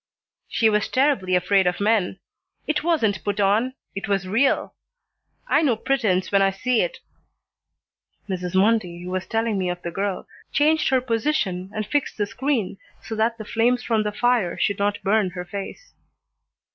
"She was terribly afraid of men. It wasn't put on; it was real. I know pretense when I see it." Mrs. Mundy, who was telling me of the girl, changed her position and fixed the screen so that the flames from the fire should not burn her face.